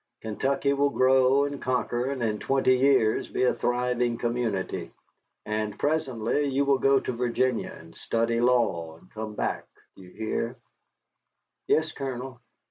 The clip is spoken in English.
Kentucky will grow and conquer, and in twenty years be a thriving community. And presently you will go to Virginia, and study law, and come back again. Do you hear?" "Yes, Colonel."